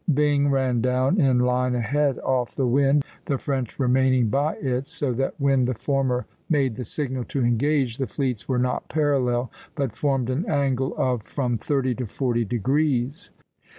Byng ran down in line ahead off the wind, the French remaining by it, so that when the former made the signal to engage, the fleets were not parallel, but formed an angle of from thirty to forty degrees (Plate VIIa.